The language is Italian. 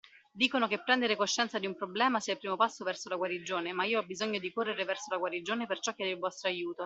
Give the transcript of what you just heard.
Dicono che prendere coscienza di un problema sia il primo passo verso la guarigione, ma io ho bisogno di correre verso la guarigione perciò chiedo il vostro aiuto.